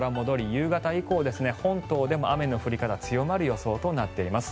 夕方以降、本島でも雨の降り方強まる予想となっています。